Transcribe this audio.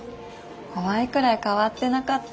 怖いくらい変わってなかった。